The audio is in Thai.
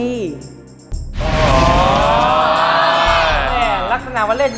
แม่นลักษณะว่าเล่นบ่อยสินะ